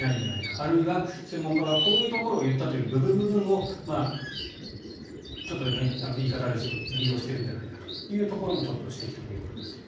あるいは専門家がこういうところを言ったという部分部分をちょっと言い方はあれですが利用してるんじゃないかというところもちょっと指摘ということです。